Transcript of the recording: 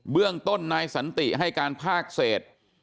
เรื่องต้นนายสันติให้การภาคเศษ